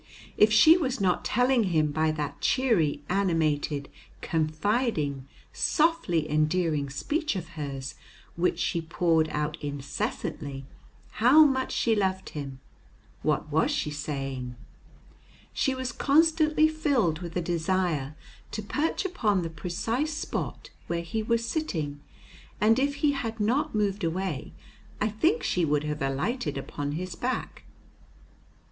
If she was not telling him by that cheery, animated, confiding, softly endearing speech of hers, which she poured out incessantly, how much she loved him, what was she saying? She was constantly filled with a desire to perch upon the precise spot where he was sitting, and if he had not moved away I think she would have alighted upon his back.